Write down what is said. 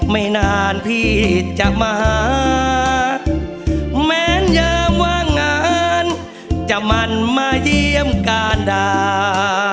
ไม่นานพี่จะมาหาแม้นยามว่างานจะมันมาเยี่ยมการด่า